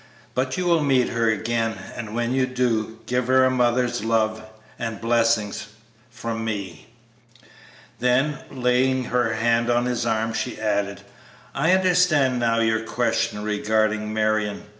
But you will meet her again, and when you do, give her a mother's love and blessing from me." Then, laying her hand on his arm, she added: "I understand now your question regarding Marion.